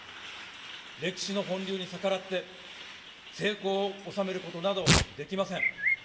歴史のほんりゅうに逆らって成功を収めることなどできません。